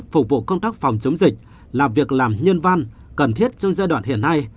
phục vụ công tác phòng chống dịch là việc làm nhân văn cần thiết trong giai đoạn hiện nay